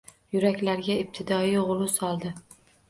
Yuraklarga ibtidoiy g’ulu soldi.